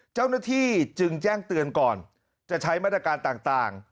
เจ้าหน้าที่จึงแจ้งเตือนก่อนจะใช้มาตรการต่าง